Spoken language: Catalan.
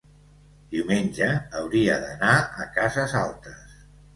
Diumenge hauria d'anar a Cases Altes.